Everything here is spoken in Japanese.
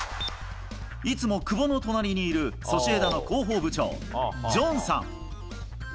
いつも久保の隣にいる、ソシエダの広報部長、ジョンさん。